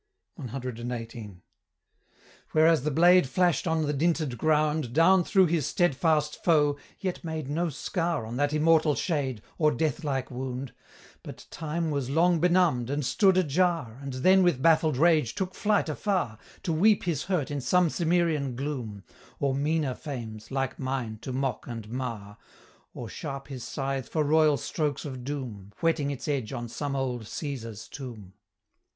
CXVIII. Whereas the blade flash'd on the dinted ground, Down through his steadfast foe, yet made no scar On that immortal Shade, or death like wound; But Time was long benumb'd, and stood ajar, And then with baffled rage took flight afar, To weep his hurt in some Cimmerian gloom, Or meaner fames (like mine) to mock and mar, Or sharp his scythe for royal strokes of doom, Whetting its edge on some old Cæsar's tomb.